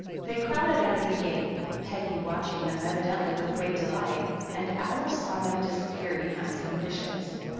They crowded under the gate, Peggy watching them evidently with great delight, and Alice saw them disappear behind some bushes.